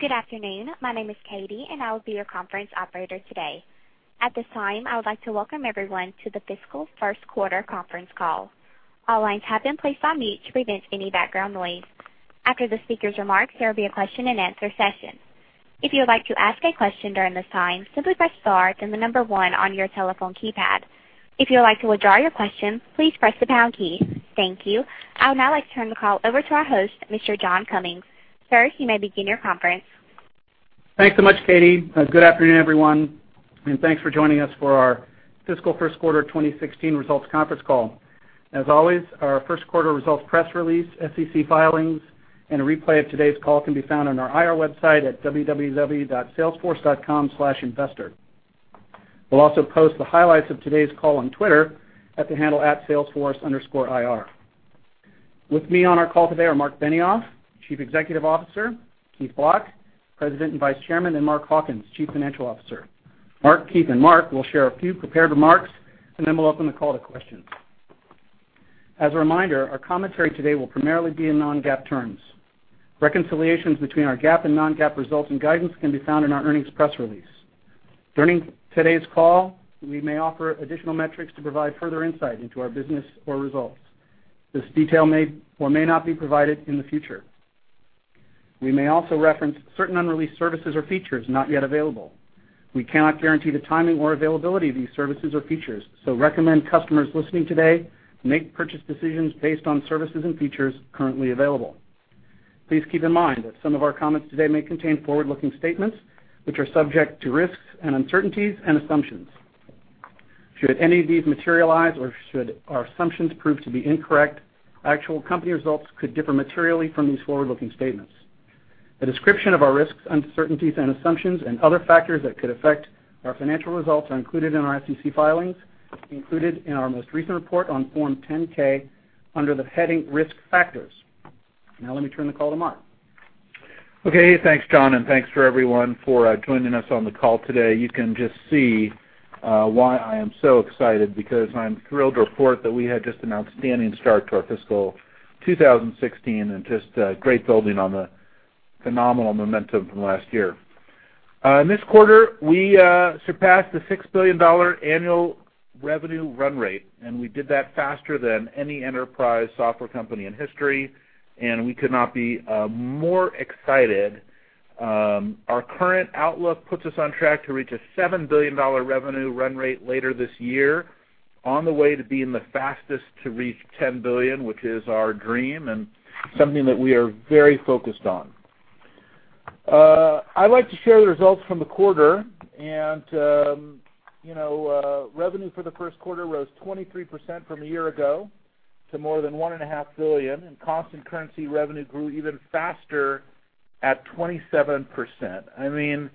Good afternoon. My name is Katie, and I will be your conference operator today. At this time, I would like to welcome everyone to the fiscal first quarter conference call. All lines have been placed on mute to prevent any background noise. After the speaker's remarks, there will be a question and answer session. If you would like to ask a question during this time, simply press star, then 1 on your telephone keypad. If you would like to withdraw your question, please press the pound key. Thank you. I would now like to turn the call over to our host, Mr. John Cummings. Sir, you may begin your conference. Thanks so much, Katie. Good afternoon, everyone, and thanks for joining us for our fiscal first quarter 2016 results conference call. As always, our first quarter results press release, SEC filings, and a replay of today's call can be found on our IR website at www.salesforce.com/investor. We'll also post the highlights of today's call on Twitter at the handle @salesforce_IR. With me on our call today are Marc Benioff, Chief Executive Officer, Keith Block, President and Vice Chairman, and Mark Hawkins, Chief Financial Officer. Marc, Keith, and Mark will share a few prepared remarks. Then we'll open the call to questions. As a reminder, our commentary today will primarily be in non-GAAP terms. Reconciliations between our GAAP and non-GAAP results and guidance can be found in our earnings press release. During today's call, we may offer additional metrics to provide further insight into our business or results. This detail may or may not be provided in the future. We may also reference certain unreleased services or features not yet available. We cannot guarantee the timing or availability of these services or features, recommend customers listening today make purchase decisions based on services and features currently available. Please keep in mind that some of our comments today may contain forward-looking statements, which are subject to risks and uncertainties and assumptions. Should any of these materialize or should our assumptions prove to be incorrect, actual company results could differ materially from these forward-looking statements. A description of our risks, uncertainties, and assumptions and other factors that could affect our financial results are included in our SEC filings, included in our most recent report on Form 10-K under the heading Risk Factors. Let me turn the call to Marc. Thanks, John, and thanks for everyone for joining us on the call today. You can just see why I am so excited because I'm thrilled to report that we had just an outstanding start to our fiscal 2016 and just great building on the phenomenal momentum from last year. In this quarter, we surpassed the $6 billion annual revenue run rate. We did that faster than any enterprise software company in history. We could not be more excited. Our current outlook puts us on track to reach a $7 billion revenue run rate later this year, on the way to being the fastest to reach $10 billion, which is our dream and something that we are very focused on. I'd like to share the results from the quarter. Revenue for the first quarter rose 23% from a year ago to more than one and a half billion, constant currency revenue grew even faster at 27%.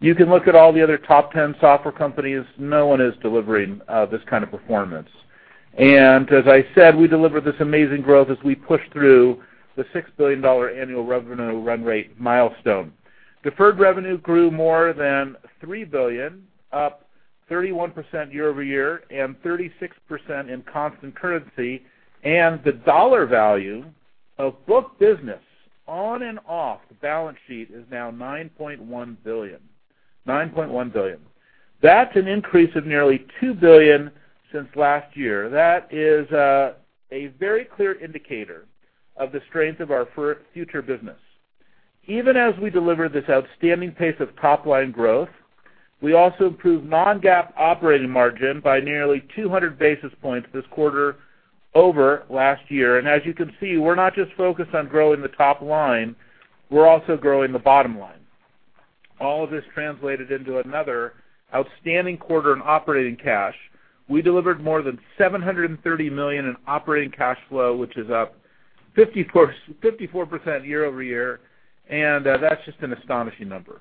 You can look at all the other top 10 software companies. No one is delivering this kind of performance. As I said, we delivered this amazing growth as we pushed through the $6 billion annual revenue run rate milestone. Deferred revenue grew more than $3 billion, up 31% year over year and 36% in constant currency. The dollar value of book business on and off the balance sheet is now $9.1 billion. That's an increase of nearly $2 billion since last year. That is a very clear indicator of the strength of our future business. Even as we deliver this outstanding pace of top-line growth, we also improved non-GAAP operating margin by nearly 200 basis points this quarter over last year. As you can see, we're not just focused on growing the top line, we're also growing the bottom line. All of this translated into another outstanding quarter in operating cash. We delivered more than $730 million in operating cash flow, which is up 54% year over year, that's just an astonishing number.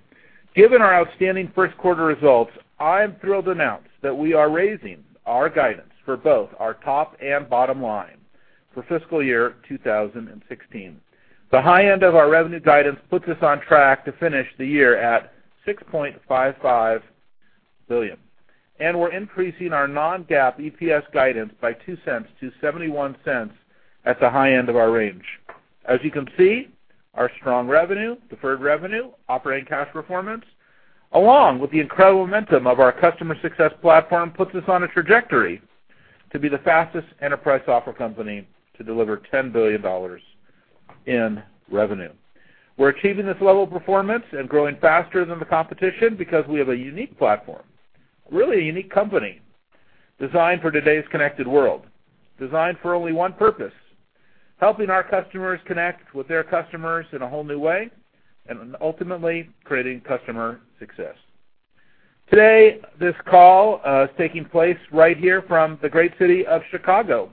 Given our outstanding first quarter results, I'm thrilled to announce that we are raising our guidance for both our top and bottom line for fiscal year 2016. The high end of our revenue guidance puts us on track to finish the year at $6.55 billion, we're increasing our non-GAAP EPS guidance by $0.02 to $0.71 at the high end of our range. As you can see, our strong revenue, deferred revenue, operating cash performance, along with the incredible momentum of our customer success platform, puts us on a trajectory to be the fastest enterprise software company to deliver $10 billion in revenue. We're achieving this level of performance and growing faster than the competition because we have a unique platform, really a unique company, designed for today's connected world, designed for only one purpose, helping our customers connect with their customers in a whole new way and ultimately creating customer success. Today, this call is taking place right here from the great city of Chicago,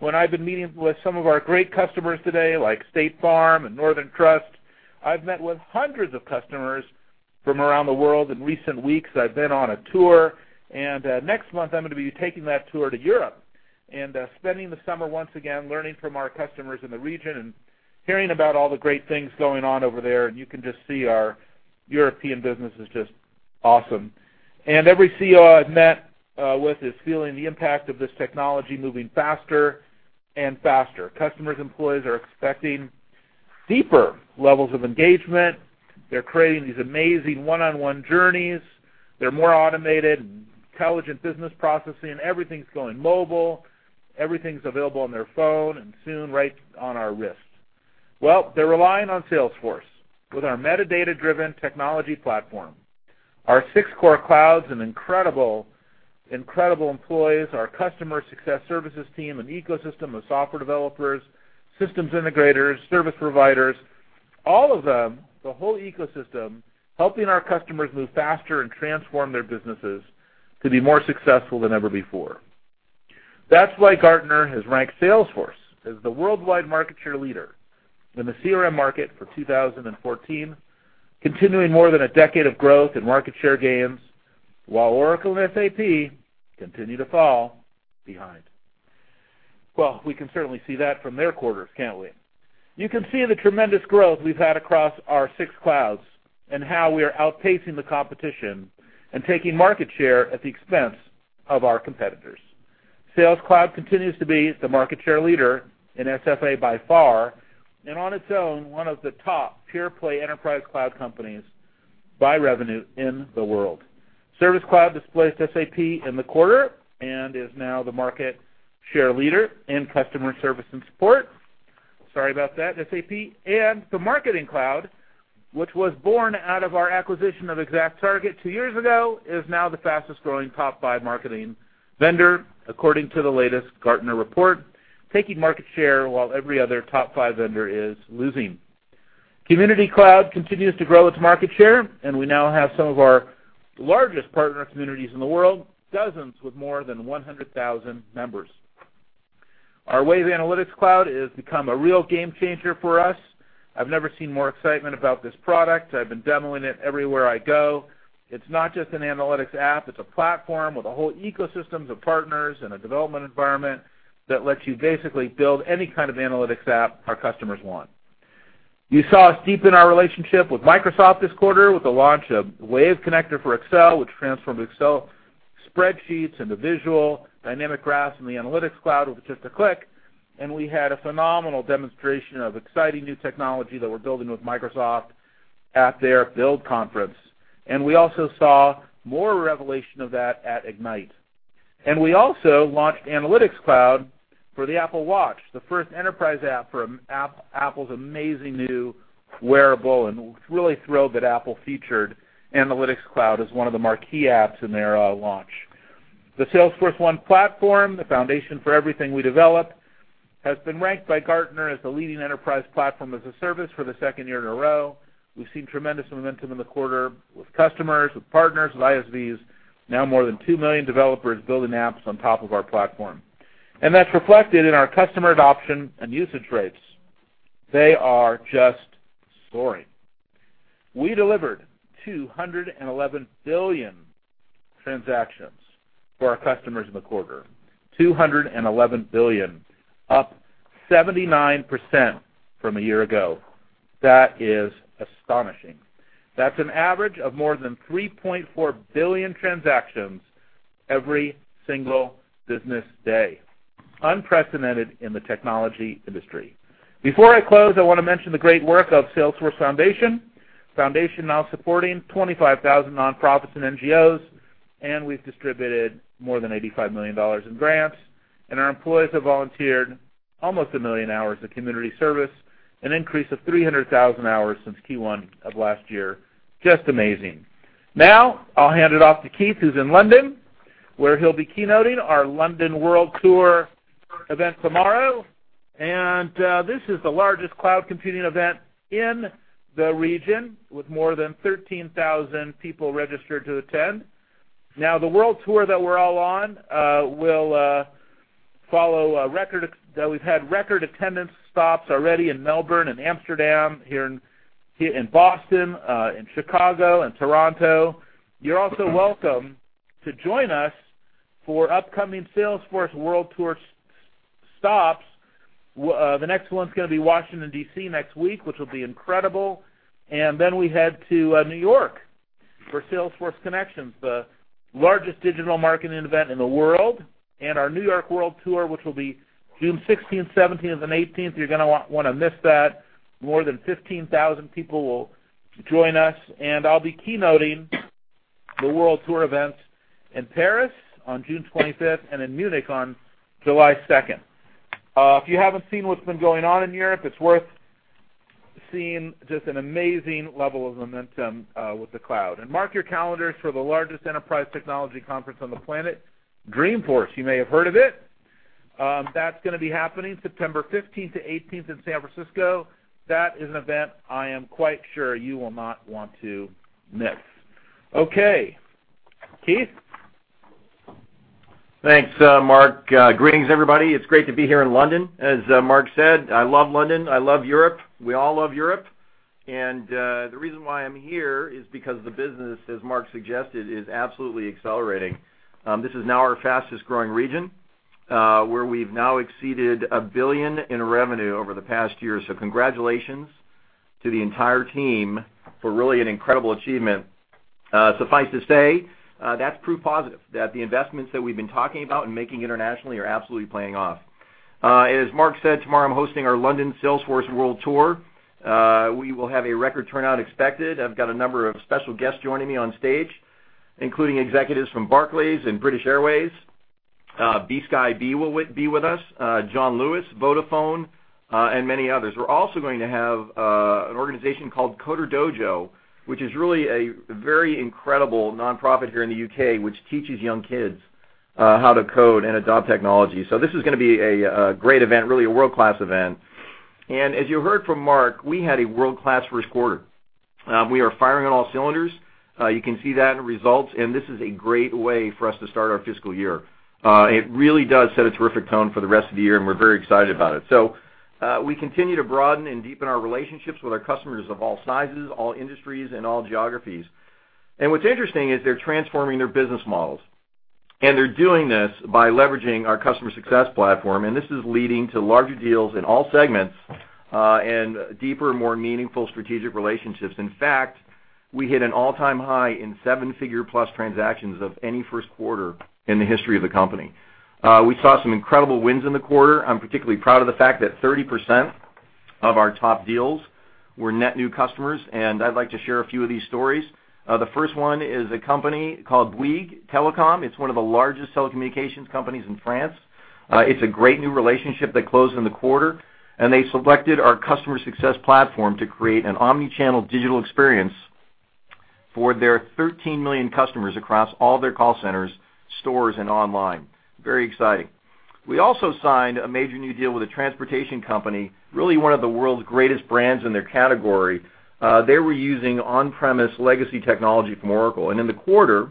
I've been meeting with some of our great customers today, like State Farm and Northern Trust. I've met with hundreds of customers from around the world in recent weeks. I've been on a tour. Next month, I'm going to be taking that tour to Europe and spending the summer once again, learning from our customers in the region and hearing about all the great things going on over there. You can just see our European business is just awesome. Every COO I've met with is feeling the impact of this technology moving faster and faster. Customers, employees are expecting deeper levels of engagement. They're creating these amazing one-on-one journeys. They're more automated, intelligent business processing. Everything's going mobile. Everything's available on their phone, and soon, right on our wrist. Well, they're relying on Salesforce with our metadata-driven technology platform. Our 6 core clouds and incredible employees, our customer success services team, and ecosystem of software developers, systems integrators, service providers, all of them, the whole ecosystem, helping our customers move faster and transform their businesses to be more successful than ever before. That's why Gartner has ranked Salesforce as the worldwide market share leader in the CRM market for 2014, continuing more than a decade of growth and market share gains, while Oracle and SAP continue to fall behind. Well, we can certainly see that from their quarters, can't we? You can see the tremendous growth we've had across our 6 clouds, and how we are outpacing the competition and taking market share at the expense of our competitors. Sales Cloud continues to be the market share leader in SFA by far, and on its own, one of the top pure-play enterprise cloud companies by revenue in the world. Service Cloud displaced SAP in the quarter and is now the market share leader in customer service and support. Sorry about that, SAP. The Marketing Cloud, which was born out of our acquisition of ExactTarget 2 years ago, is now the fastest-growing top-five marketing vendor, according to the latest Gartner report, taking market share while every other top-five vendor is losing. Community Cloud continues to grow its market share, and we now have some of our largest partner communities in the world, dozens with more than 100,000 members. Our Wave Analytics Cloud has become a real game changer for us. I've never seen more excitement about this product. I've been demoing it everywhere I go. It's not just an analytics app, it's a platform with a whole ecosystem of partners and a development environment that lets you basically build any kind of analytics app our customers want. You saw us deepen our relationship with Microsoft this quarter with the launch of Wave Connector for Excel, which transformed Excel spreadsheets into visual dynamic graphs in the Analytics Cloud with just a click. We had a phenomenal demonstration of exciting new technology that we're building with Microsoft at their Build conference. We also saw more revelation of that at Ignite. We also launched Analytics Cloud for the Apple Watch, the first enterprise app for Apple's amazing new wearable, and we're really thrilled that Apple featured Analytics Cloud as one of the marquee apps in their launch. The Salesforce1 Platform, the foundation for everything we develop, has been ranked by Gartner as the leading enterprise platform as a service for the second year in a row. We've seen tremendous momentum in the quarter with customers, with partners, with ISVs. More than 2 million developers building apps on top of our platform. That's reflected in our customer adoption and usage rates. They are just soaring. We delivered 211 billion transactions for our customers in the quarter. 211 billion, up 79% from a year ago. That is astonishing. That's an average of more than 3.4 billion transactions every single business day. Unprecedented in the technology industry. Before I close, I want to mention the great work of Salesforce Foundation. Foundation now supporting 25,000 nonprofits and NGOs. We've distributed more than $85 million in grants. Our employees have volunteered almost 1 million hours of community service, an increase of 300,000 hours since Q1 of last year. Just amazing. I'll hand it off to Keith, who's in London, where he'll be keynoting our London World Tour event tomorrow. This is the largest cloud computing event in the region, with more than 13,000 people registered to attend. The World Tour that we're all on will follow a record, that we've had record attendance stops already in Melbourne and Amsterdam, here in Boston, in Chicago, and Toronto. You're also welcome to join us for upcoming Salesforce World Tour stops. The next one's going to be Washington, D.C. next week, which will be incredible. Then we head to New York for Salesforce Connections, the largest digital marketing event in the world. Our New York World Tour, which will be June 16th, 17th, and 18th. You're going to want to miss that. More than 15,000 people will join us, and I'll be keynoting the World Tour events in Paris on June 25th and in Munich on July 2nd. If you haven't seen what's been going on in Europe, it's worth seeing. Just an amazing level of momentum with the cloud. Mark your calendars for the largest enterprise technology conference on the planet, Dreamforce. You may have heard of it. That's going to be happening September 15th to 18th in San Francisco. That is an event I am quite sure you will not want to miss. Okay, Keith? Thanks, Mark. Greetings, everybody. It's great to be here in London. As Mark said, I love London. I love Europe. We all love Europe. The reason why I'm here is because the business, as Mark suggested, is absolutely accelerating. This is now our fastest-growing region. We've now exceeded $1 billion in revenue over the past year. Congratulations to the entire team for really an incredible achievement. Suffice to say, that's proof positive that the investments that we've been talking about and making internationally are absolutely paying off. As Mark said, tomorrow I'm hosting our London Salesforce World Tour. We will have a record turnout expected. I've got a number of special guests joining me on stage, including executives from Barclays and British Airways. BSkyB will be with us, John Lewis, Vodafone, and many others. We're also going to have an organization called CoderDojo, which is really a very incredible nonprofit here in the U.K., which teaches young kids how to code and adopt technology. This is going to be a great event, really a world-class event. As you heard from Mark, we had a world-class first quarter. We are firing on all cylinders. You can see that in results, this is a great way for us to start our fiscal year. It really does set a terrific tone for the rest of the year, we're very excited about it. We continue to broaden and deepen our relationships with our customers of all sizes, all industries, and all geographies. What's interesting is they're transforming their business models, they're doing this by leveraging our customer success platform. This is leading to larger deals in all segments, and deeper, more meaningful strategic relationships. In fact, we hit an all-time high in seven-figure+ transactions of any first quarter in the history of the company. We saw some incredible wins in the quarter. I'm particularly proud of the fact that 30% of our top deals were net new customers, and I'd like to share a few of these stories. The first one is a company called Bouygues Telecom. It's one of the largest telecommunications companies in France. It's a great new relationship that closed in the quarter, and they selected our customer success platform to create an omni-channel digital experience for their 13 million customers across all their call centers, stores, and online. Very exciting. We also signed a major new deal with a transportation company, really one of the world's greatest brands in their category. They were using on-premise legacy technology from Oracle. In the quarter,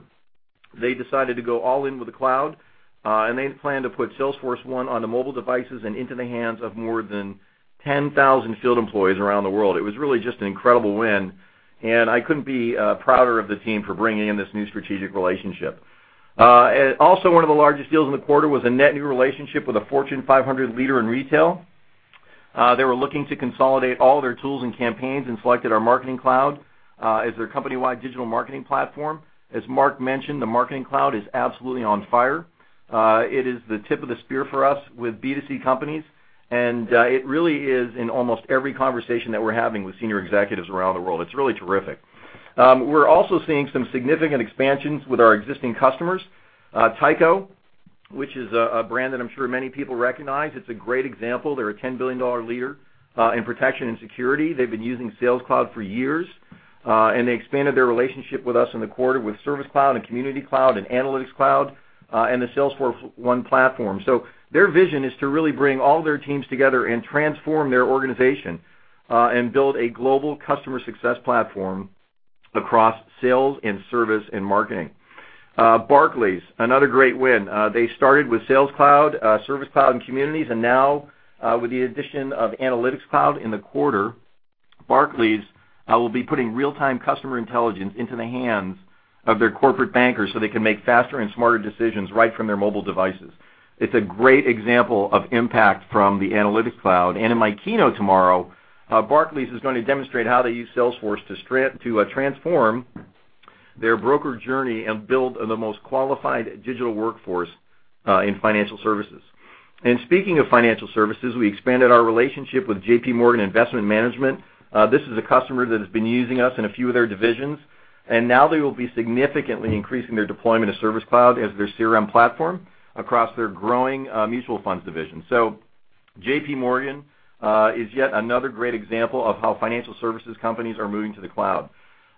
they decided to go all in with the cloud, and they plan to put Salesforce1 on the mobile devices and into the hands of more than 10,000 field employees around the world. It was really just an incredible win, and I couldn't be prouder of the team for bringing in this new strategic relationship. One of the largest deals in the quarter was a net new relationship with a Fortune 500 leader in retail. They were looking to consolidate all their tools and campaigns and selected our Marketing Cloud as their company-wide digital marketing platform. As Mark mentioned, the Marketing Cloud is absolutely on fire. It is the tip of the spear for us with B2C companies, and it really is in almost every conversation that we're having with senior executives around the world. It's really terrific. We're also seeing some significant expansions with our existing customers. Tyco, which is a brand that I'm sure many people recognize, it's a great example. They're a $10 billion leader in protection and security. They've been using Sales Cloud for years, and they expanded their relationship with us in the quarter with Service Cloud and Community Cloud and Analytics Cloud, and the Salesforce1 Platform. Their vision is to really bring all their teams together and transform their organization, and build a global customer success platform across sales and service and marketing. Barclays, another great win. They started with Sales Cloud, Service Cloud, and Communities. Now, with the addition of Analytics Cloud in the quarter, Barclays will be putting real-time customer intelligence into the hands of their corporate bankers so they can make faster and smarter decisions right from their mobile devices. It's a great example of impact from the Analytics Cloud. In my keynote tomorrow, Barclays is going to demonstrate how they use Salesforce to transform their broker journey and build the most qualified digital workforce in financial services. Speaking of financial services, we expanded our relationship with J.P. Morgan Investment Management. This is a customer that has been using us in a few of their divisions, and now they will be significantly increasing their deployment of Service Cloud as their CRM platform across their growing mutual funds division. J.P. Morgan is yet another great example of how financial services companies are moving to the cloud.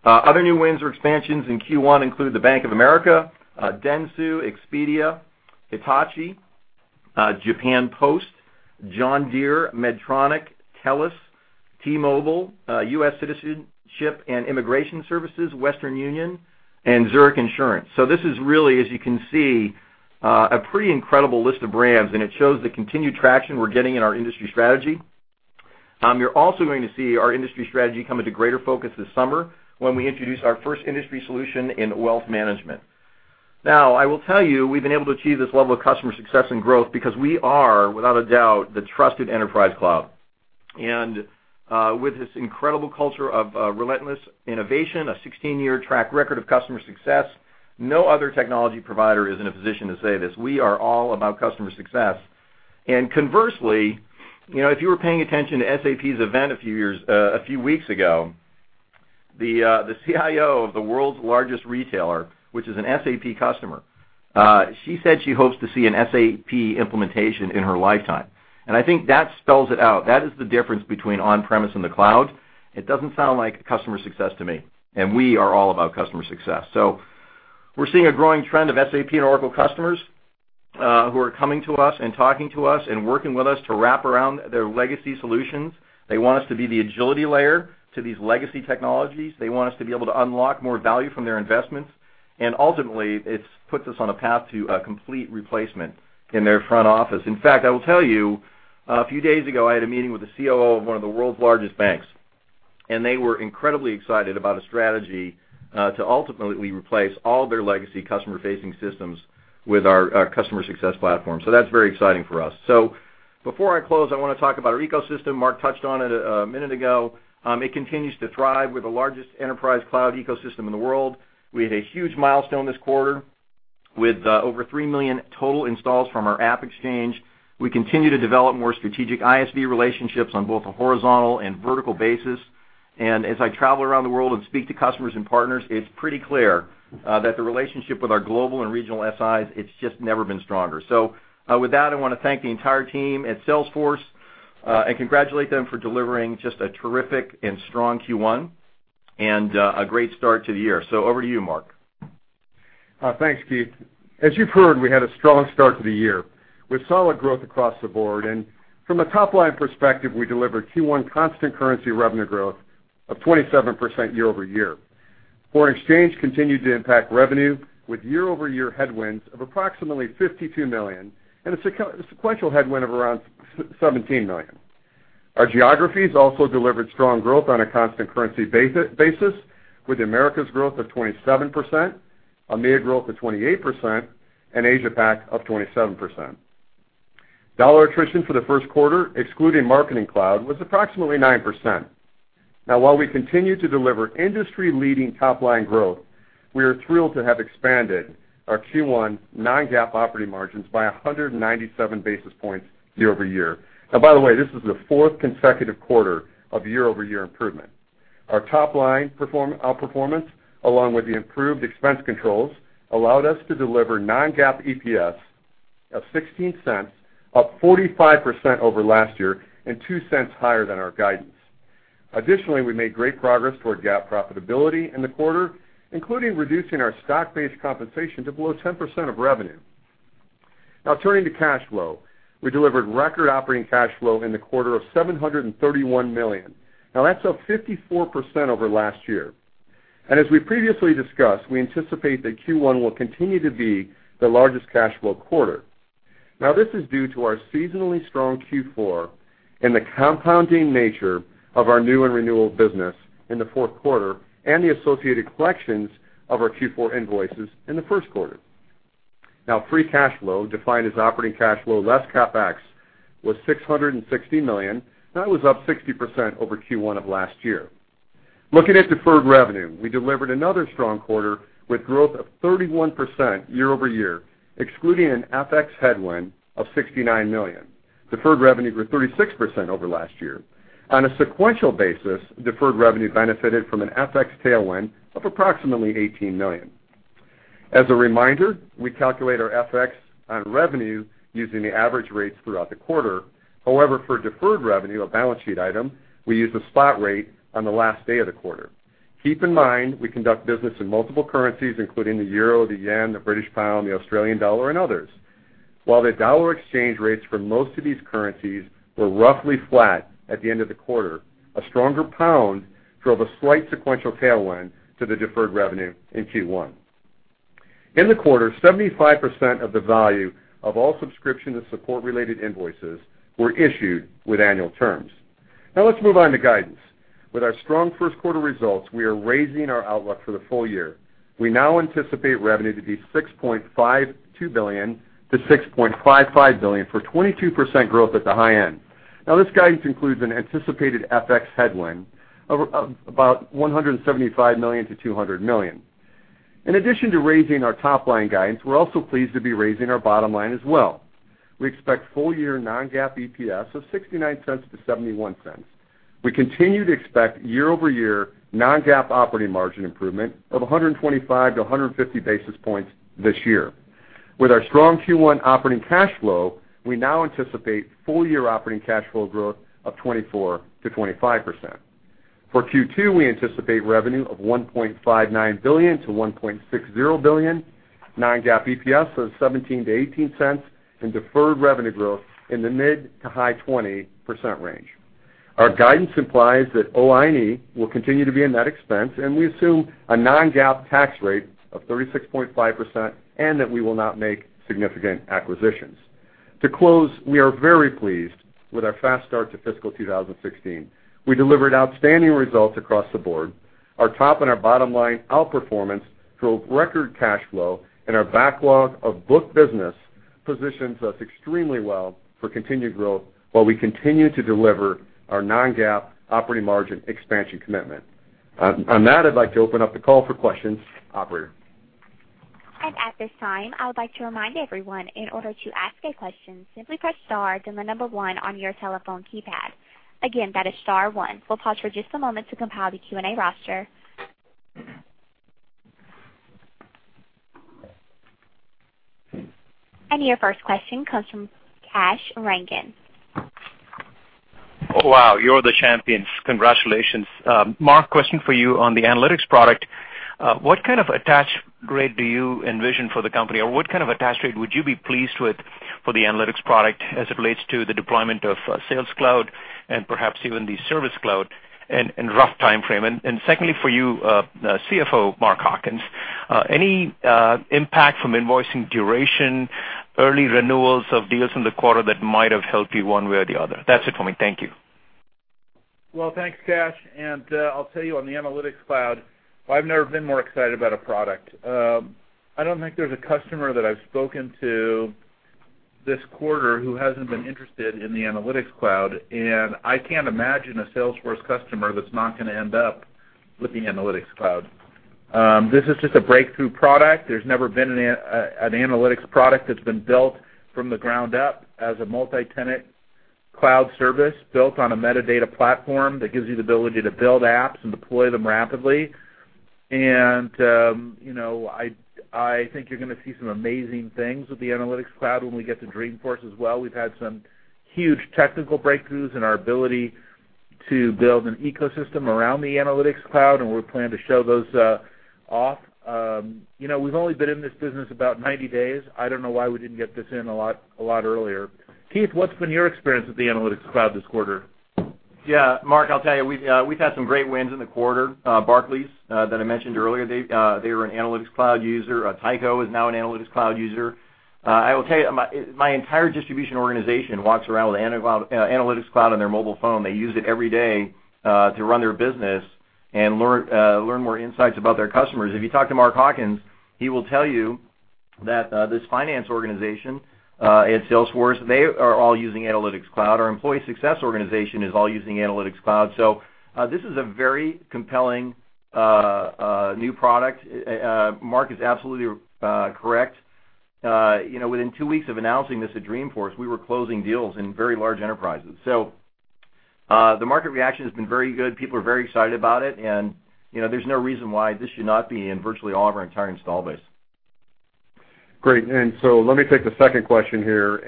Other new wins or expansions in Q1 include The Bank of America, Dentsu, Expedia, Hitachi, Japan Post, John Deere, Medtronic, Telus, T-Mobile, U.S. Citizenship and Immigration Services, Western Union, and Zurich Insurance. This is really, as you can see, a pretty incredible list of brands. It shows the continued traction we're getting in our industry strategy. You're also going to see our industry strategy come into greater focus this summer when we introduce our first industry solution in wealth management. I will tell you, we've been able to achieve this level of customer success and growth because we are, without a doubt, the trusted enterprise cloud. With this incredible culture of relentless innovation, a 16-year track record of customer success, no other technology provider is in a position to say this. We are all about customer success. Conversely, if you were paying attention to SAP's event a few weeks ago, the CIO of the world's largest retailer, which is an SAP customer, she said she hopes to see an SAP implementation in her lifetime. I think that spells it out. That is the difference between on-premise and the cloud. It doesn't sound like customer success to me. We are all about customer success. We're seeing a growing trend of SAP and Oracle customers who are coming to us and talking to us and working with us to wrap around their legacy solutions. They want us to be the agility layer to these legacy technologies. They want us to be able to unlock more value from their investments. Ultimately, it puts us on a path to a complete replacement in their front office. In fact, I will tell you, a few days ago, I had a meeting with the COO of one of the world's largest banks. They were incredibly excited about a strategy to ultimately replace all their legacy customer-facing systems with our customer success platform. That's very exciting for us. Before I close, I want to talk about our ecosystem. Marc touched on it a minute ago. It continues to thrive. We're the largest enterprise cloud ecosystem in the world. We had a huge milestone this quarter with over 3 million total installs from our AppExchange. We continue to develop more strategic ISV relationships on both a horizontal and vertical basis. As I travel around the world and speak to customers and partners, it's pretty clear that the relationship with our global and regional SIs, it's just never been stronger. With that, I want to thank the entire team at Salesforce, and congratulate them for delivering just a terrific and strong Q1, and a great start to the year. Over to you, Marc. Thanks, Keith. As you've heard, we had a strong start to the year, with solid growth across the board. From a top-line perspective, we delivered Q1 constant currency revenue growth of 27% year-over-year. Foreign exchange continued to impact revenue with year-over-year headwinds of approximately $52 million and a sequential headwind of around $17 million. Our geographies also delivered strong growth on a constant currency basis, with the Americas growth of 27%, EMEA growth of 28%, Asia Pac of 27%. Dollar attrition for the first quarter, excluding Marketing Cloud, was approximately 9%. While we continue to deliver industry-leading top-line growth, we are thrilled to have expanded our Q1 non-GAAP operating margins by 197 basis points year-over-year. By the way, this is the fourth consecutive quarter of year-over-year improvement. Our top line outperformance, along with the improved expense controls, allowed us to deliver non-GAAP EPS of $0.16, up 45% over last year and $0.02 higher than our guidance. Additionally, we made great progress toward GAAP profitability in the quarter, including reducing our stock-based compensation to below 10% of revenue. Turning to cash flow. We delivered record operating cash flow in the quarter of $731 million. That's up 54% over last year. As we previously discussed, we anticipate that Q1 will continue to be the largest cash flow quarter. This is due to our seasonally strong Q4 and the compounding nature of our new and renewal business in the fourth quarter, and the associated collections of our Q4 invoices in the first quarter. Free cash flow, defined as operating cash flow less CapEx, was $660 million. That was up 60% over Q1 of last year. Looking at deferred revenue, we delivered another strong quarter with growth of 31% year-over-year, excluding an FX headwind of $69 million. Deferred revenue grew 36% over last year. On a sequential basis, deferred revenue benefited from an FX tailwind of approximately $18 million. As a reminder, we calculate our FX on revenue using the average rates throughout the quarter. However, for deferred revenue, a balance sheet item, we use the spot rate on the last day of the quarter. Keep in mind, we conduct business in multiple currencies including the euro, the yen, the British pound, the Australian dollar, and others. While the dollar exchange rates for most of these currencies were roughly flat at the end of the quarter, a stronger pound drove a slight sequential tailwind to the deferred revenue in Q1. In the quarter, 75% of the value of all subscription and support related invoices were issued with annual terms. Let's move on to guidance. With our strong first quarter results, we are raising our outlook for the full year. We now anticipate revenue to be $6.52 billion-$6.55 billion for 22% growth at the high end. This guidance includes an anticipated FX headwind of about $175 million-$200 million. In addition to raising our top-line guidance, we're also pleased to be raising our bottom line as well. We expect full year non-GAAP EPS of $0.69-$0.71. We continue to expect year-over-year non-GAAP operating margin improvement of 125-150 basis points this year. With our strong Q1 operating cash flow, we now anticipate full year operating cash flow growth of 24%-25%. For Q2, we anticipate revenue of $1.59 billion-$1.60 billion, non-GAAP EPS of $0.17-$0.18, and deferred revenue growth in the mid to high 20% range. Our guidance implies that OIE will continue to be a net expense, and we assume a non-GAAP tax rate of 36.5%, and that we will not make significant acquisitions. To close, we are very pleased with our fast start to fiscal 2016. We delivered outstanding results across the board. Our top and our bottom line outperformance drove record cash flow, and our backlog of booked business positions us extremely well for continued growth while we continue to deliver our non-GAAP operating margin expansion commitment. On that, I'd like to open up the call for questions. Operator? At this time, I would like to remind everyone, in order to ask a question, simply press star, then the number 1 on your telephone keypad. Again, that is star 1. We'll pause for just a moment to compile the Q&A roster. Your first question comes from Kash Rangan. Wow, you're the champions. Congratulations. Marc, question for you on the analytics product. What kind of attach rate do you envision for the company or what kind of attach rate would you be pleased with for the analytics product as it relates to the deployment of Sales Cloud and perhaps even the Service Cloud, and rough timeframe? Secondly, for you, CFO Mark Hawkins, any impact from invoicing duration, early renewals of deals in the quarter that might have helped you one way or the other? That's it for me. Thank you. Well, thanks, Kash. I'll tell you, on the Analytics Cloud, I've never been more excited about a product. I don't think there's a customer that I've spoken to this quarter who hasn't been interested in the Analytics Cloud, and I can't imagine a Salesforce customer that's not going to end up with the Analytics Cloud. This is just a breakthrough product. There's never been an analytics product that's been built from the ground up as a multi-tenant cloud service built on a metadata platform that gives you the ability to build apps and deploy them rapidly. I think you're going to see some amazing things with the Analytics Cloud when we get to Dreamforce as well. We've had some huge technical breakthroughs in our ability to build an ecosystem around the Analytics Cloud, and we're planning to show those off. We've only been in this business about 90 days. I don't know why we didn't get this in a lot earlier. Keith, what's been your experience with the Analytics Cloud this quarter? Mark, I'll tell you, we've had some great wins in the quarter. Barclays, that I mentioned earlier, they're an Analytics Cloud user. Tyco is now an Analytics Cloud user. I will tell you, my entire distribution organization walks around with Analytics Cloud on their mobile phone. They use it every day, to run their business and learn more insights about their customers. If you talk to Mark Hawkins, he will tell you that this finance organization at Salesforce, they are all using Analytics Cloud. Our employee success organization is all using Analytics Cloud. This is a very compelling new product. Mark is absolutely correct. Within two weeks of announcing this at Dreamforce, we were closing deals in very large enterprises. The market reaction has been very good. People are very excited about it, there's no reason why this should not be in virtually all of our entire install base. Great. Let me take the second question here.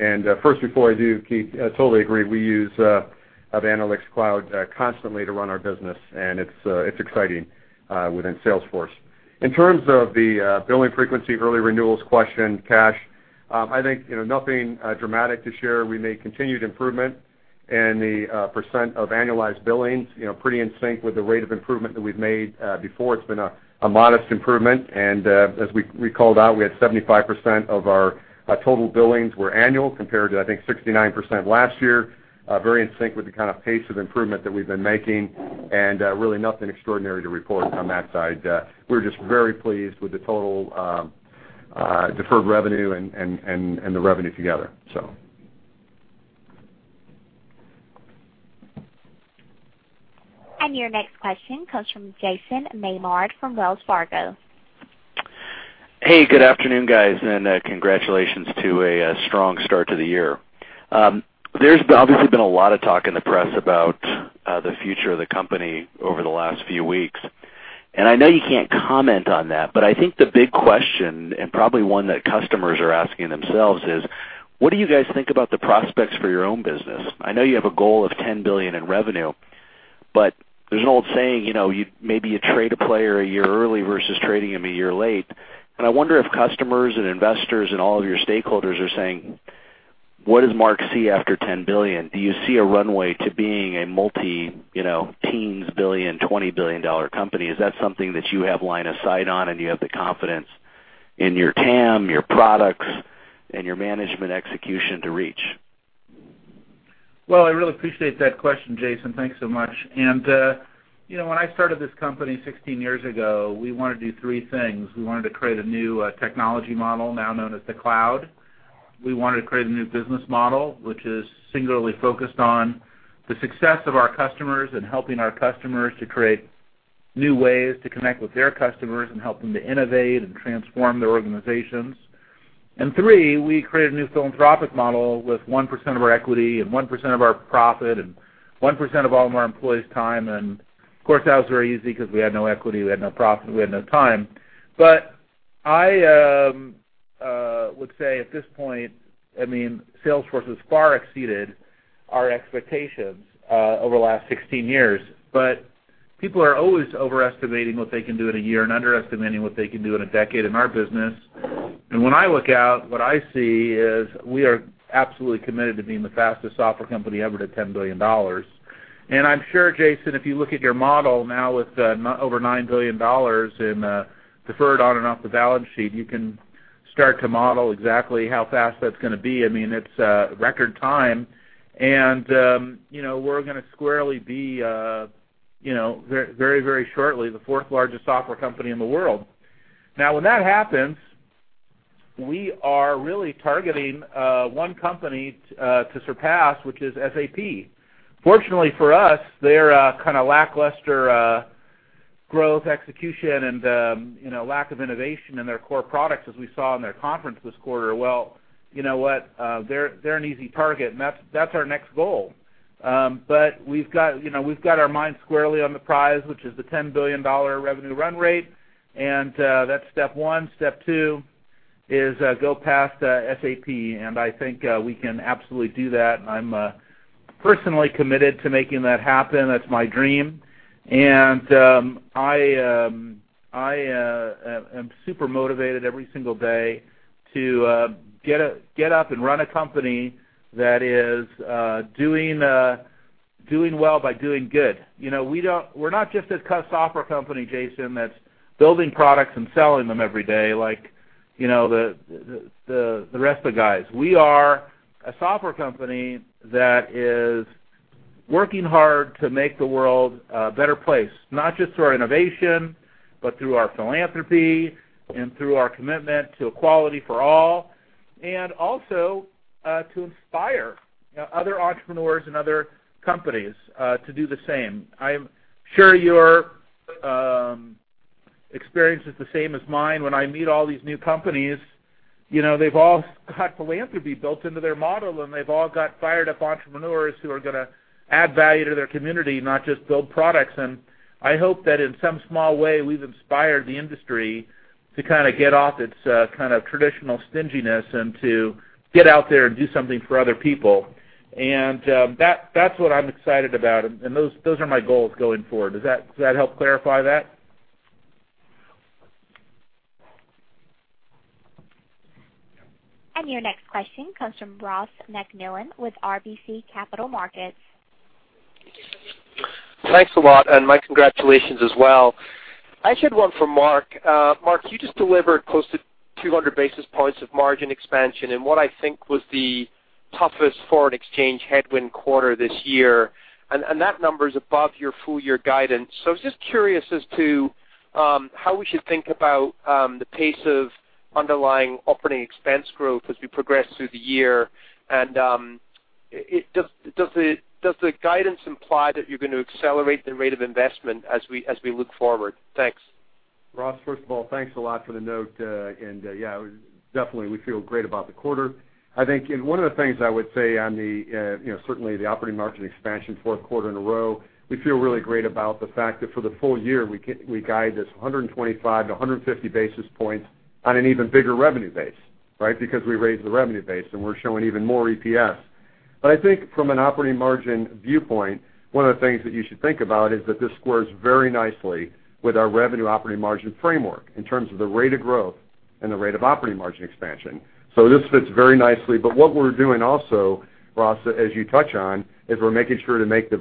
First, before I do, Keith, I totally agree. We use the Analytics Cloud constantly to run our business, and it's exciting within Salesforce. In terms of the billing frequency, early renewals question, Kash, I think, nothing dramatic to share. We made continued improvement in the % of annualized billings, pretty in sync with the rate of improvement that we've made before. It's been a modest improvement, as we called out, we had 75% of our total billings were annual compared to, I think, 69% last year. Very in sync with the kind of pace of improvement that we've been making, really nothing extraordinary to report on that side. We're just very pleased with the total deferred revenue and the revenue together. Your next question comes from Jason Maynard from Wells Fargo. Hey, good afternoon, guys. Congratulations to a strong start to the year. There's obviously been a lot of talk in the press about the future of the company over the last few weeks. I know you can't comment on that. I think the big question, probably one that customers are asking themselves is, what do you guys think about the prospects for your own business? I know you have a goal of $10 billion in revenue. There's an old saying, maybe you trade a player a year early versus trading him a year late. I wonder if customers and investors and all of your stakeholders are saying, what does Mark see after $10 billion? Do you see a runway to being a multi-teens billion, $20 billion company? Is that something that you have line of sight on and you have the confidence in your TAM, your products, and your management execution to reach? Well, I really appreciate that question, Jason. Thanks so much. When I started this company 16 years ago, we wanted to do three things. We wanted to create a new technology model, now known as the cloud. We wanted to create a new business model, which is singularly focused on the success of our customers and helping our customers to create new ways to connect with their customers and help them to innovate and transform their organizations. Three, we created a new philanthropic model with 1% of our equity and 1% of our profit and 1% of all of our employees' time. Of course, that was very easy because we had no equity, we had no profit, we had no time. I would say at this point, Salesforce has far exceeded our expectations over the last 16 years. People are always overestimating what they can do in a year and underestimating what they can do in a decade in our business. When I look out, what I see is we are absolutely committed to being the fastest software company ever to $10 billion. I'm sure, Jason, if you look at your model now with over $9 billion in deferred on and off the balance sheet, you can start to model exactly how fast that's going to be. It's record time. We're going to squarely be, very shortly, the fourth largest software company in the world. When that happens, we are really targeting one company to surpass, which is SAP. Fortunately for us, their kind of lackluster growth execution and lack of innovation in their core products as we saw in their conference this quarter, well, you know what? They're an easy target, and that's our next goal. We've got our minds squarely on the prize, which is the $10 billion revenue run rate, and that's step 1. Step 2 is go past SAP. I think we can absolutely do that. I'm personally committed to making that happen. That's my dream. I am super motivated every single day to get up and run a company that is doing well by doing good. We're not just this software company, Jason, that's building products and selling them every day. The rest of the guys. We are a software company that is working hard to make the world a better place, not just through our innovation, but through our philanthropy and through our commitment to equality for all, and also to inspire other entrepreneurs and other companies to do the same. I am sure your experience is the same as mine when I meet all these new companies. They've all got philanthropy built into their model, and they've all got fired-up entrepreneurs who are going to add value to their community, not just build products. I hope that in some small way, we've inspired the industry to get off its traditional stinginess and to get out there and do something for other people. That's what I'm excited about, and those are my goals going forward. Does that help clarify that? Your next question comes from Ross MacMillan with RBC Capital Markets. Thanks a lot, and my congratulations as well. I just had one for Mark. Mark, you just delivered close to 200 basis points of margin expansion in what I think was the toughest foreign exchange headwind quarter this year. That number is above your full-year guidance. I was just curious as to how we should think about the pace of underlying operating expense growth as we progress through the year. Does the guidance imply that you're going to accelerate the rate of investment as we look forward? Thanks. Ross, first of all, thanks a lot for the note. Yeah, definitely, we feel great about the quarter. I think, one of the things I would say on the, certainly the operating margin expansion fourth quarter in a row, we feel really great about the fact that for the full year, we guide this 125-150 basis points on an even bigger revenue base, because we raised the revenue base, and we're showing even more EPS. I think from an operating margin viewpoint, one of the things that you should think about is that this squares very nicely with our revenue operating margin framework in terms of the rate of growth and the rate of operating margin expansion. This fits very nicely. What we're doing also, Ross, as you touch on, is we're making sure to make the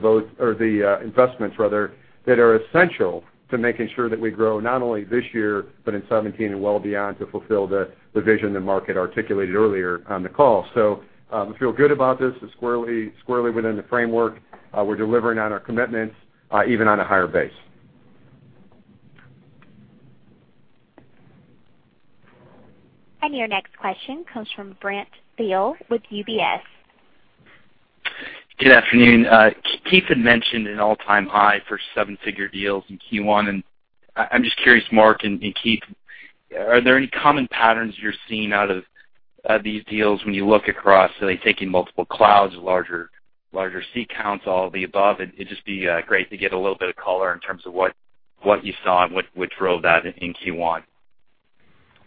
investments that are essential to making sure that we grow not only this year, but in 2017 and well beyond, to fulfill the vision that Marc articulated earlier on the call. We feel good about this. It's squarely within the framework. We're delivering on our commitments even on a higher base. Your next question comes from Brent Thill with UBS. Good afternoon. Keith had mentioned an all-time high for seven-figure deals in Q1. I'm just curious, Mark and Keith, are there any common patterns you're seeing out of these deals when you look across? Are they taking multiple clouds, larger seat counts, all of the above? It'd just be great to get a little bit of color in terms of what you saw and what drove that in Q1.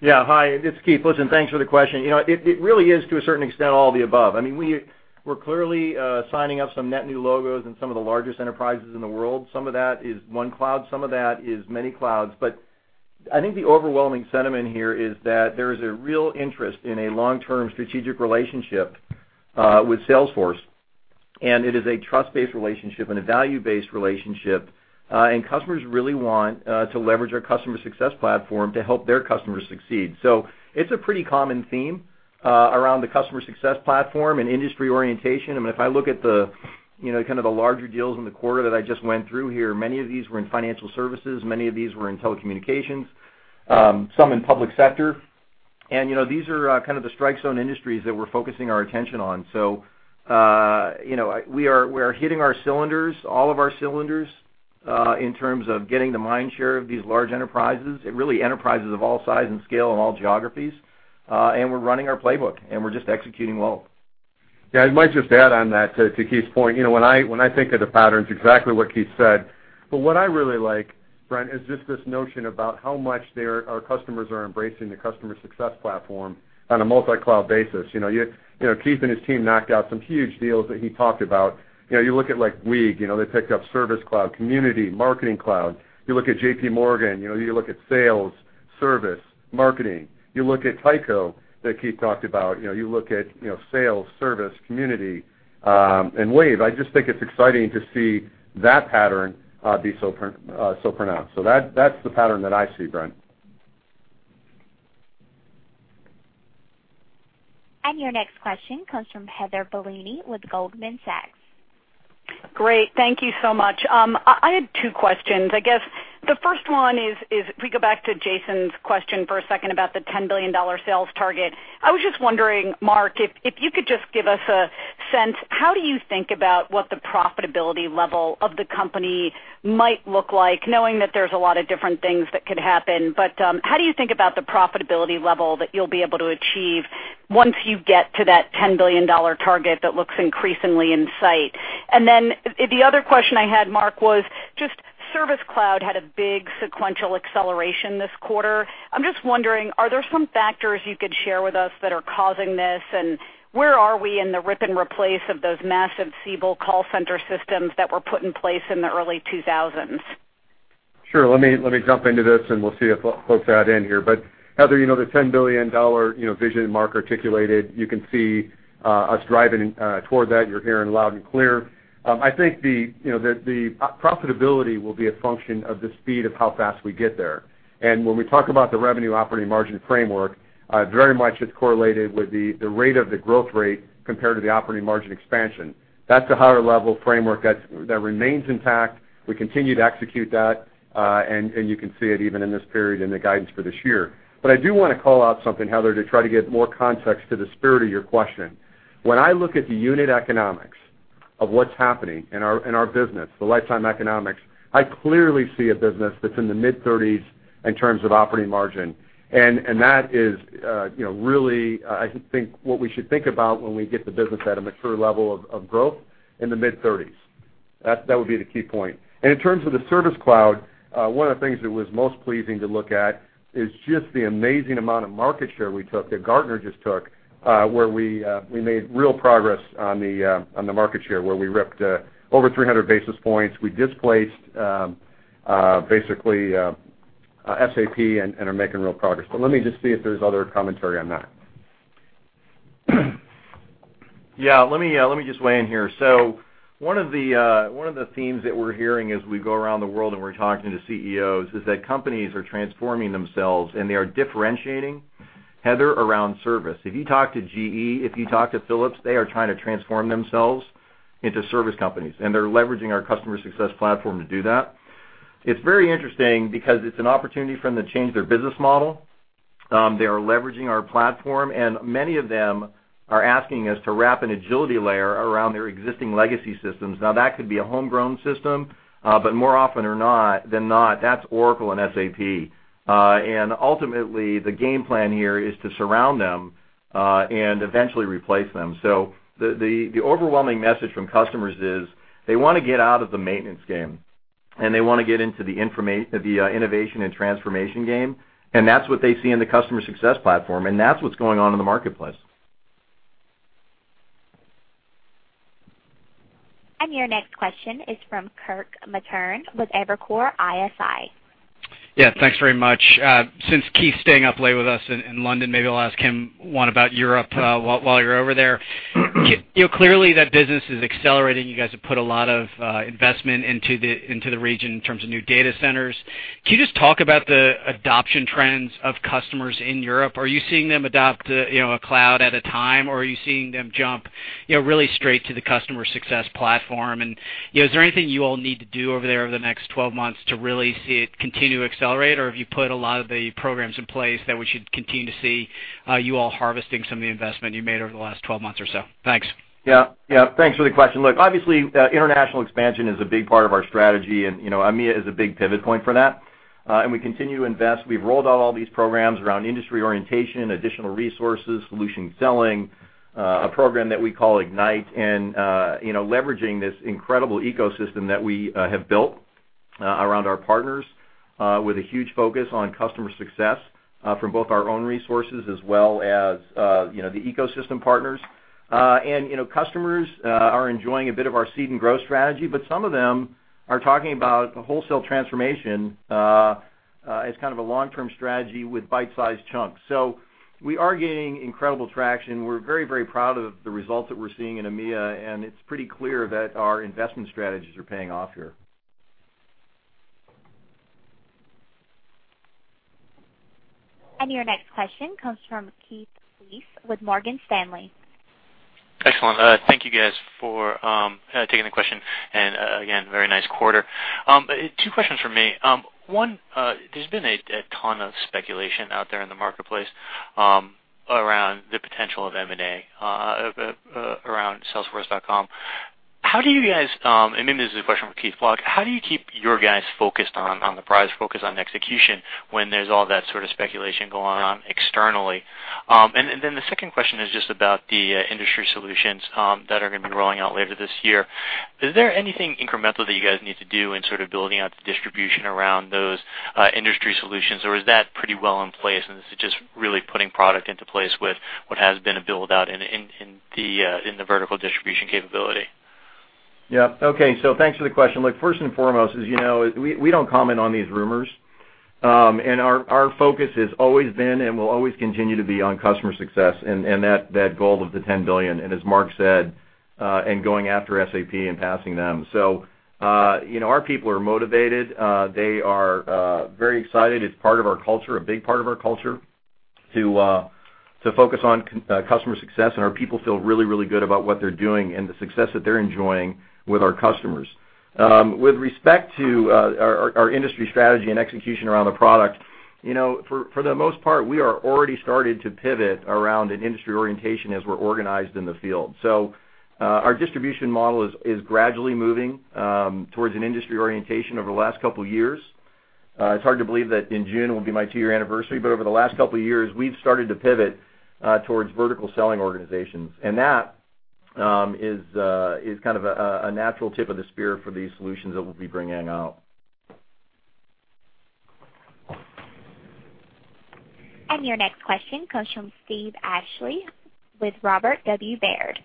Yeah. Hi, it's Keith. Listen, thanks for the question. It really is to a certain extent, all of the above. We're clearly signing up some net new logos and some of the largest enterprises in the world. Some of that is one cloud, some of that is many clouds. I think the overwhelming sentiment here is that there is a real interest in a long-term strategic relationship with Salesforce, and it is a trust-based relationship and a value-based relationship. Customers really want to leverage our customer success platform to help their customers succeed. It's a pretty common theme around the customer success platform and industry orientation. If I look at the larger deals in the quarter that I just went through here, many of these were in financial services, many of these were in telecommunications, some in public sector. These are the strike zone industries that we're focusing our attention on. We are hitting our cylinders, all of our cylinders, in terms of getting the mind share of these large enterprises. Really enterprises of all size and scale and all geographies. We're running our playbook, and we're just executing well. Yeah, I might just add on that to Keith's point. When I think of the patterns, exactly what Keith said. What I really like, Brent, is just this notion about how much our customers are embracing the customer success platform on a multi-cloud basis. Keith and his team knocked out some huge deals that he talked about. You look at like Wieg, they picked up Service Cloud, Community Cloud, Marketing Cloud. You look at JP Morgan, you look at Sales, Service, Marketing. You look at Tyco that Keith talked about. You look at Sales, Service, Community, and Wave. I just think it's exciting to see that pattern be so pronounced. That's the pattern that I see, Brent. Your next question comes from Heather Bellini with Goldman Sachs. Great. Thank you so much. I had two questions. I guess the first one is, if we go back to Jason's question for a second about the $10 billion sales target. I was just wondering, Mark, if you could just give us a sense, how do you think about what the profitability level of the company might look like, knowing that there's a lot of different things that could happen? How do you think about the profitability level that you'll be able to achieve once you get to that $10 billion target that looks increasingly in sight? The other question I had, Mark, was just Service Cloud had a big sequential acceleration this quarter. I'm just wondering, are there some factors you could share with us that are causing this? Where are we in the rip and replace of those massive Siebel call center systems that were put in place in the early 2000s? Sure. Let me jump into this, and we'll see if folks add in here. Heather, the $10 billion vision Mark articulated, you can see us driving toward that. You're hearing loud and clear. I think the profitability will be a function of the speed of how fast we get there. When we talk about the revenue operating margin framework, very much it's correlated with the rate of the growth rate compared to the operating margin expansion. That's a higher level framework that remains intact. We continue to execute that, and you can see it even in this period in the guidance for this year. I do want to call out something, Heather, to try to give more context to the spirit of your question. When I look at the unit economics of what's happening in our business, the lifetime economics, I clearly see a business that's in the mid-30s in terms of operating margin. That is really, I think, what we should think about when we get the business at a mature level of growth in the mid-30s. That would be the key point. In terms of the Service Cloud, one of the things that was most pleasing to look at is just the amazing amount of market share we took, that Gartner just took, where we made real progress on the market share, where we ripped over 300 basis points. We displaced, basically, SAP and are making real progress. Let me just see if there's other commentary on that. Let me just weigh in here. One of the themes that we're hearing as we go around the world and we're talking to CEOs is that companies are transforming themselves, and they are differentiating, Heather, around service. If you talk to GE, if you talk to Philips, they are trying to transform themselves into service companies, and they're leveraging our Customer Success Platform to do that. It's very interesting because it's an opportunity for them to change their business model. They are leveraging our platform, and many of them are asking us to wrap an agility layer around their existing legacy systems. That could be a homegrown system, but more often than not, that's Oracle and SAP. Ultimately, the game plan here is to surround them, and eventually replace them. The overwhelming message from customers is they want to get out of the maintenance game, and they want to get into the innovation and transformation game, and that's what they see in the Customer Success Platform, and that's what's going on in the marketplace. Your next question is from Kirk Materne with Evercore ISI. Thanks very much. Since Keith's staying up late with us in London, maybe I'll ask him one about Europe while you're over there. Clearly that business is accelerating. You guys have put a lot of investment into the region in terms of new data centers. Can you just talk about the adoption trends of customers in Europe? Are you seeing them adopt a cloud at a time, or are you seeing them jump really straight to the Customer Success Platform? Is there anything you all need to do over there over the next 12 months to really see it continue to accelerate, or have you put a lot of the programs in place that we should continue to see you all harvesting some of the investment you made over the last 12 months or so? Thanks. Yeah. Thanks for the question. Look, obviously, international expansion is a big part of our strategy. EMEA is a big pivot point for that. We continue to invest. We've rolled out all these programs around industry orientation, additional resources, solution selling, a program that we call Ignite, leveraging this incredible ecosystem that we have built around our partners, with a huge focus on customer success, from both our own resources as well as the ecosystem partners. Customers are enjoying a bit of our seed and grow strategy, but some of them are talking about a wholesale transformation as kind of a long-term strategy with bite-sized chunks. We are gaining incredible traction. We're very proud of the results that we're seeing in EMEA, and it's pretty clear that our investment strategies are paying off here. Your next question comes from Keith Weiss with Morgan Stanley. Excellent. Thank you guys for taking the question. Again, very nice quarter. Two questions from me. One, there's been a ton of speculation out there in the marketplace around the potential of M&A around Salesforce. How do you guys, and maybe this is a question for Keith Block, how do you keep your guys focused on the prize, focused on execution, when there's all that sort of speculation going on externally? The second question is just about the industry solutions that are going to be rolling out later this year. Is there anything incremental that you guys need to do in sort of building out the distribution around those industry solutions, or is that pretty well in place, and this is just really putting product into place with what has been a build-out in the vertical distribution capability? Yeah. Okay. Thanks for the question. Look, first and foremost, as you know, we don't comment on these rumors. Our focus has always been and will always continue to be on customer success and that goal of the $10 billion, and as Mark said, and going after SAP and passing them. Our people are motivated. They are very excited. It's part of our culture, a big part of our culture, to focus on customer success, and our people feel really good about what they're doing and the success that they're enjoying with our customers. With respect to our industry strategy and execution around the product, for the most part, we are already started to pivot around an industry orientation as we're organized in the field. Our distribution model is gradually moving towards an industry orientation over the last couple of years. It's hard to believe that in June will be my two-year anniversary, but over the last couple of years, we've started to pivot towards vertical selling organizations. That is kind of a natural tip of the spear for these solutions that we'll be bringing out. Your next question comes from Steve Ashley with Robert W. Baird.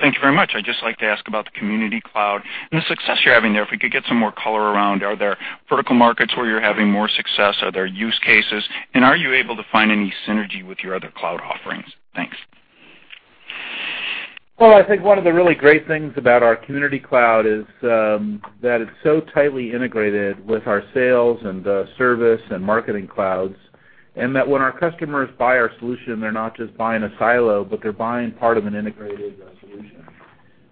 Thank you very much. I'd just like to ask about the Community Cloud and the success you're having there, if we could get some more color around, are there vertical markets where you're having more success? Are there use cases? Are you able to find any synergy with your other cloud offerings? Thanks. Well, I think one of the really great things about our Community Cloud is that it's so tightly integrated with our Sales Cloud and Service Cloud and Marketing Cloud, and that when our customers buy our solution, they're not just buying a silo, but they're buying part of an integrated solution.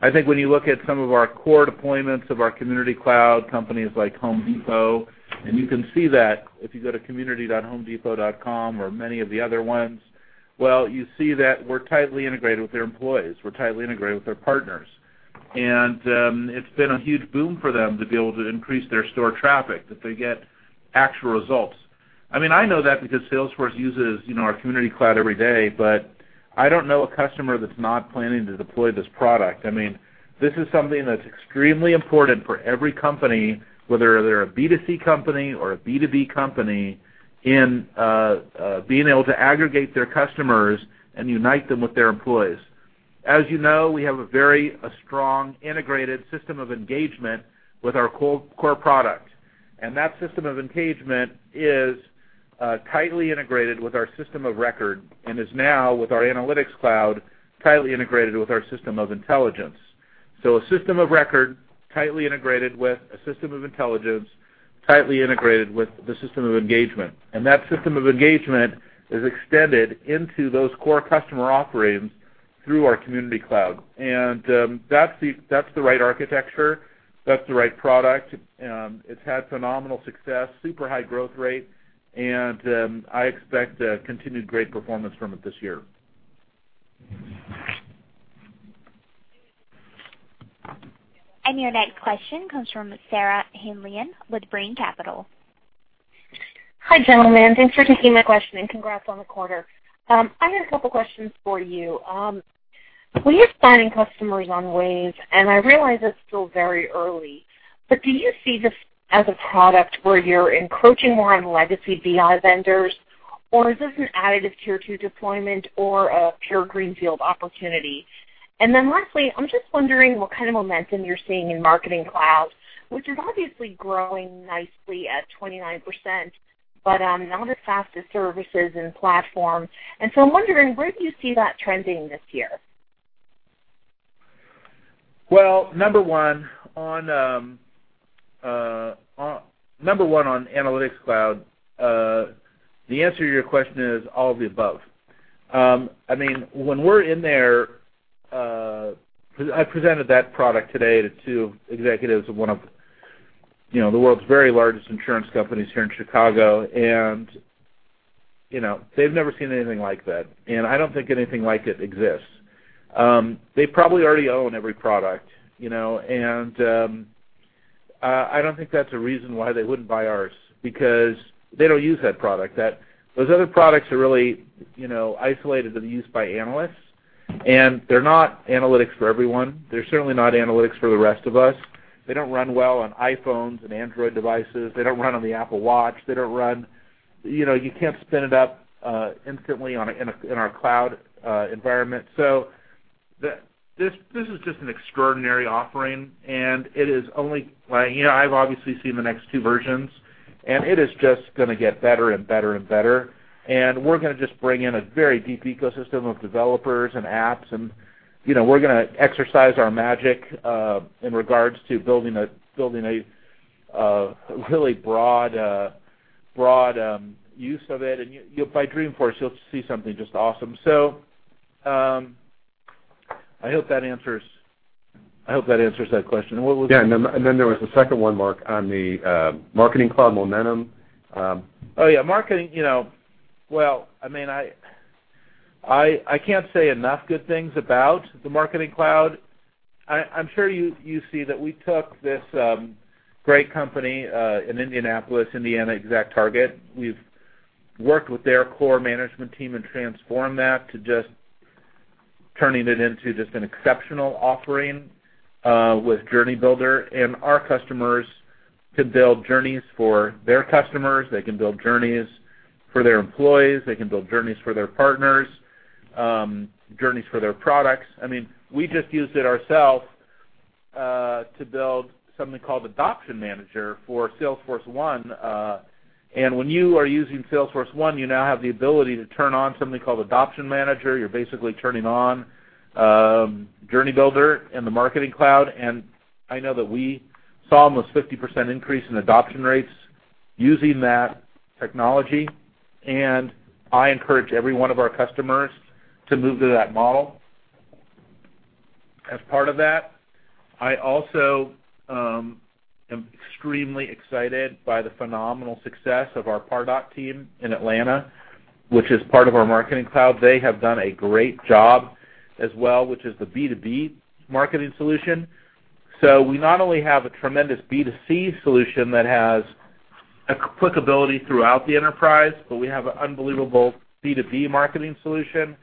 I think when you look at some of our core deployments of our Community Cloud companies like Home Depot, and you can see that if you go to community.homedepot.com or many of the other ones, well, you see that we're tightly integrated with their employees, we're tightly integrated with their partners. It's been a huge boom for them to be able to increase their store traffic, that they get actual results. I know that because Salesforce uses our Community Cloud every day, but I don't know a customer that's not planning to deploy this product. This is something that is extremely important for every company, whether they are a B2C company or a B2B company, in being able to aggregate their customers and unite them with their employees. As you know, we have a very strong integrated system of engagement with our core product, and that system of engagement is tightly integrated with our system of record and is now, with our Analytics Cloud, tightly integrated with our system of intelligence. So a system of record tightly integrated with a system of intelligence, tightly integrated with the system of engagement. That system of engagement is extended into those core customer offerings through our Community Cloud. That is the right architecture. That is the right product. It has had phenomenal success, super high growth rate, and I expect a continued great performance from it this year. Your next question comes from Sarah Hindlian with Brean Capital. Hi, gentlemen. Thanks for taking my question, and congrats on the quarter. I had a couple questions for you. When you are signing customers on Wave, and I realize it is still very early, but do you see this as a product where you are encroaching more on legacy BI vendors, or is this an additive tier 2 deployment or a pure greenfield opportunity? Lastly, I am just wondering what kind of momentum you are seeing in Marketing Cloud, which is obviously growing nicely at 29%, but not as fast as services and platform. I am wondering, where do you see that trending this year? Number one on Analytics Cloud, the answer to your question is all of the above. When we are in there, I presented that product today to two executives of one of the world's very largest insurance companies here in Chicago, and they have never seen anything like that, and I do not think anything like it exists. They probably already own every product, and I do not think that is a reason why they would not buy ours because they do not use that product. Those other products are really isolated and used by analysts, and they are not analytics for everyone. They are certainly not analytics for the rest of us. They do not run well on iPhones and Android devices. They do not run on the Apple Watch. You cannot spin it up instantly in our cloud environment. This is just an extraordinary offering. I've obviously seen the next two versions, and it is just going to get better and better and better. We're going to just bring in a very deep ecosystem of developers and apps, and we're going to exercise our magic in regards to building a really broad use of it. By Dreamforce, you'll see something just awesome. I hope that answers that question. What was the- There was the second one, Mark, on the Marketing Cloud momentum. I can't say enough good things about the Marketing Cloud. I'm sure you see that we took this great company in Indianapolis, Indiana, ExactTarget. We've worked with their core management team and transformed that to just turning it into just an exceptional offering with Journey Builder. Our customers can build journeys for their customers, they can build journeys for their employees, they can build journeys for their partners, journeys for their products. We just used it ourselves to build something called Adoption Manager for Salesforce1. When you are using Salesforce1, you now have the ability to turn on something called Adoption Manager. You're basically turning on Journey Builder and the Marketing Cloud. I know that we saw almost 50% increase in adoption rates using that technology, and I encourage every one of our customers to move to that model. As part of that, I also am extremely excited by the phenomenal success of our Pardot team in Atlanta, which is part of our Marketing Cloud. They have done a great job as well, which is the B2B marketing solution. We not only have a tremendous B2C solution that has applicability throughout the enterprise, but we have an unbelievable B2B marketing solution,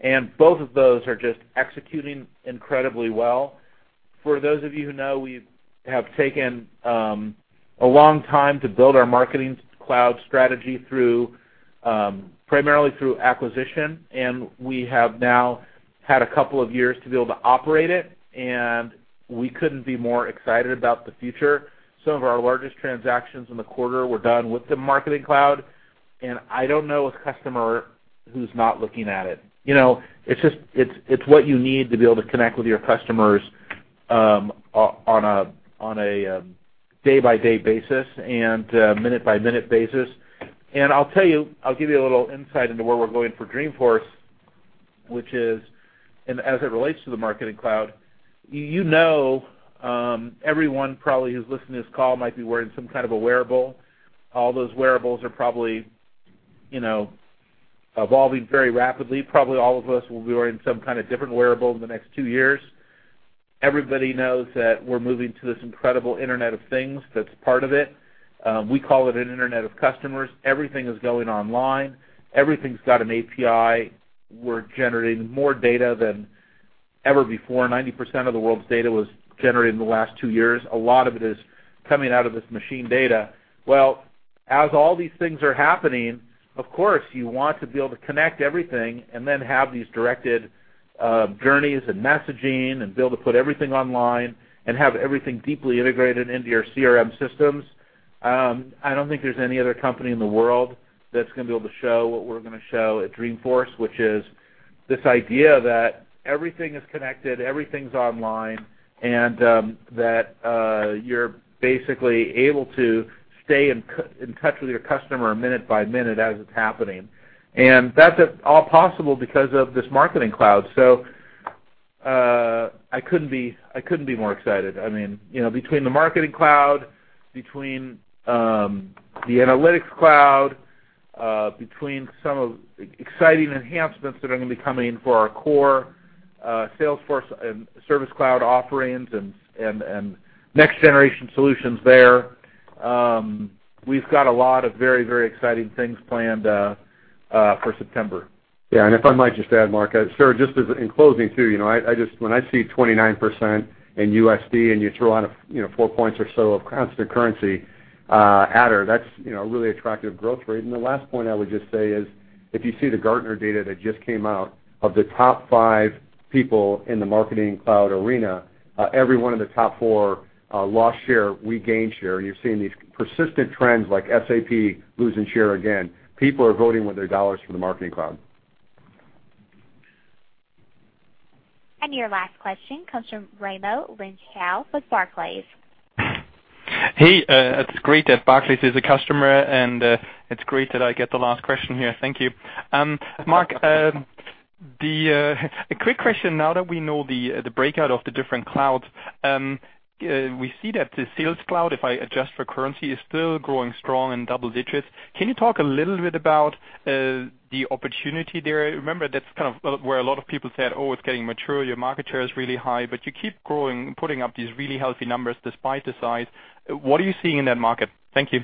and both of those are just executing incredibly well. For those of you who know, we have taken a long time to build our Marketing Cloud strategy primarily through acquisition. We have now had a couple of years to be able to operate it, and we couldn't be more excited about the future. Some of our largest transactions in the quarter were done with the Marketing Cloud. I don't know a customer who's not looking at it. It's what you need to be able to connect with your customers on a day-by-day basis and minute-by-minute basis. I'll give you a little insight into where we're going for Dreamforce, which is, as it relates to the Marketing Cloud, you know everyone probably who's listening to this call might be wearing some kind of a wearable. All those wearables are probably evolving very rapidly. Probably all of us will be wearing some kind of different wearable in the next two years. Everybody knows that we're moving to this incredible Internet of Things that's part of it. We call it an Internet of Customers. Everything is going online. Everything's got an API. We're generating more data than ever before. 90% of the world's data was generated in the last two years. A lot of it is coming out of this machine data. Well, as all these things are happening, of course, you want to be able to connect everything and then have these directed journeys and messaging and be able to put everything online and have everything deeply integrated into your CRM systems. I don't think there's any other company in the world that's going to be able to show what we're going to show at Dreamforce, which is this idea that everything is connected, everything's online, and that you're basically able to stay in touch with your customer minute-by-minute as it's happening. That's all possible because of this Marketing Cloud. I couldn't be more excited. Between the Marketing Cloud, between the Analytics Cloud, between some exciting enhancements that are going to be coming for our core Salesforce and Service Cloud offerings and next-generation solutions there. We've got a lot of very, very exciting things planned for September. Yeah. If I might just add, Marc, sir, just as in closing too, when I see 29% in USD and you throw on four points or so of constant currency adder, that's a really attractive growth rate. The last point I would just say is if you see the Gartner data that just came out, of the top five people in the Marketing Cloud arena, every one of the top four lost share, we gained share. You're seeing these persistent trends like SAP losing share again. People are voting with their dollars for the Marketing Cloud. Your last question comes from Raimo Lenschau with Barclays. Hey, it's great that Barclays is a customer, and it's great that I get the last question here. Thank you. Marc, a quick question now that we know the breakout of the different clouds. We see that the Sales Cloud, if I adjust for currency, is still growing strong in double digits. Can you talk a little bit about the opportunity there? Remember, that's where a lot of people said, "Oh it's getting mature. Your market share is really high," but you keep growing and putting up these really healthy numbers despite the size. What are you seeing in that market? Thank you.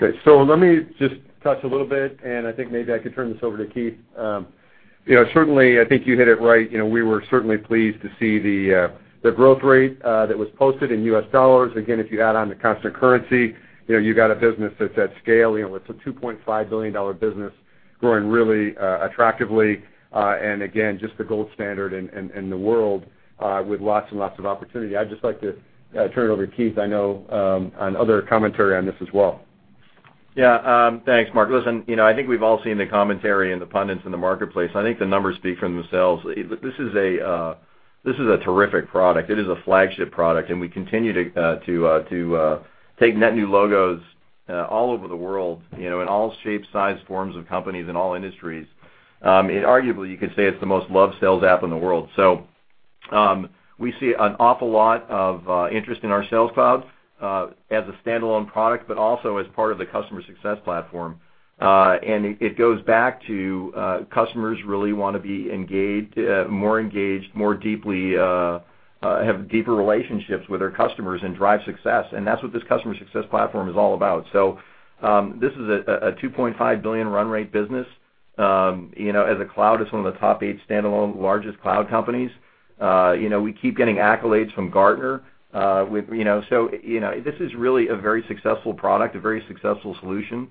Let me just touch a little bit, and I think maybe I could turn this over to Keith. Certainly, I think you hit it right. We were certainly pleased to see the growth rate that was posted in U.S. dollars. Again, if you add on the constant currency, you got a business that's at scale. It's a $2.5 billion business growing really attractively. Again, just the gold standard in the world with lots and lots of opportunity. I'd just like to turn it over to Keith, I know, on other commentary on this as well. Thanks, Marc. Listen, I think we've all seen the commentary and the pundits in the marketplace. I think the numbers speak for themselves. This is a terrific product. It is a flagship product, and we continue to take net new logos all over the world, in all shapes, sizes, forms of companies, in all industries. Arguably, you could say it's the most loved sales app in the world. We see an awful lot of interest in our Sales Cloud as a standalone product, but also as part of the customer success platform. It goes back to customers really want to be more engaged, more deeply, have deeper relationships with their customers, and drive success. That's what this customer success platform is all about. This is a $2.5 billion run rate business. As a cloud, it's one of the top eight standalone largest cloud companies. We keep getting accolades from Gartner. This is really a very successful product, a very successful solution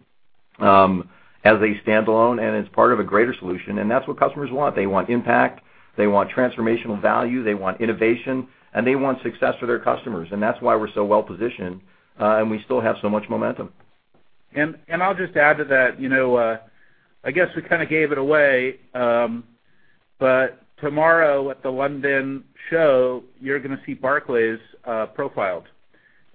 as a standalone and as part of a greater solution. That's what customers want. They want impact, they want transformational value, they want innovation, and they want success for their customers. That's why we're so well-positioned, and we still have so much momentum. I'll just add to that. I guess we kind of gave it away. Tomorrow at the London show, you're going to see Barclays profiled.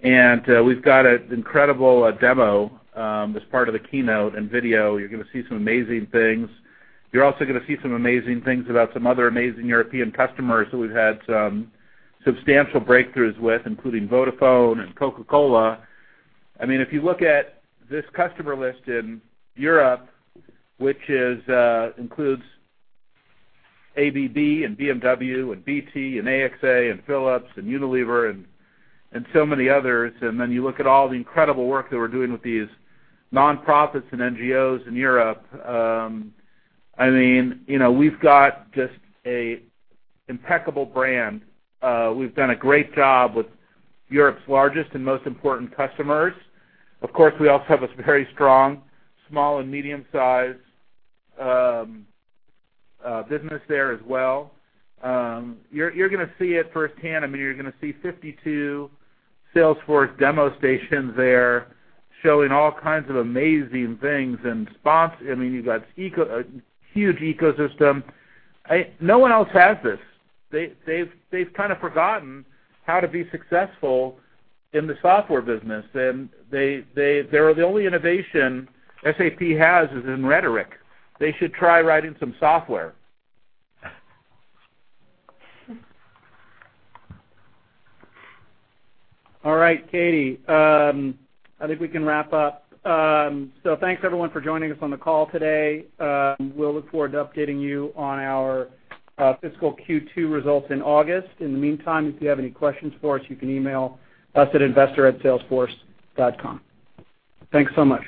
We've got an incredible demo as part of the keynote and video. You're going to see some amazing things. You're also going to see some amazing things about some other amazing European customers who we've had some substantial breakthroughs with, including Vodafone and Coca-Cola. If you look at this customer list in Europe, which includes ABB and BMW and BT and AXA and Philips and Unilever and so many others, you look at all the incredible work that we're doing with these nonprofits and NGOs in Europe. We've got just an impeccable brand. We've done a great job with Europe's largest and most important customers. Of course, we also have a very strong small and medium-sized business there as well. You're going to see it firsthand. You're going to see 52 Salesforce demo stations there showing all kinds of amazing things and spots. You've got a huge ecosystem. No one else has this. They've kind of forgotten how to be successful in the software business. The only innovation SAP has is in rhetoric. They should try writing some software. All right, Katie. I think we can wrap up. Thanks, everyone, for joining us on the call today. We'll look forward to updating you on our fiscal Q2 results in August. In the meantime, if you have any questions for us, you can email us at investor@salesforce.com. Thanks so much.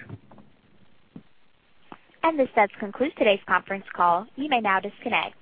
This does conclude today's conference call. You may now disconnect.